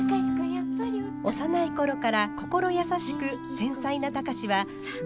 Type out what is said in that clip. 幼い頃から心優しく繊細な貴司は文学青年。